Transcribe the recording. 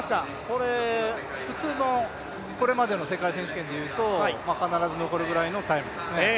これ普通のこれまでの世界選手権でいうと必ず残るくらいのタイムですね。